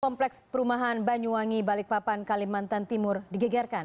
kompleks perumahan banyuwangi balikpapan kalimantan timur digegerkan